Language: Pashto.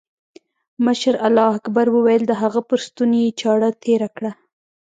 مشر الله اکبر وويل د هغه پر ستوني يې چاړه تېره کړه.